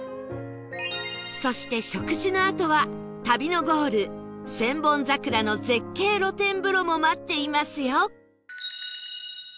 そして食事のあとは旅のゴール千本桜の絶景露天風呂も待っていますよ